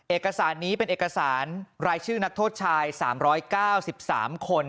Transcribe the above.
เอกสารนี้เป็นเอกสารรายชื่อนักโทษชาย๓๙๓คน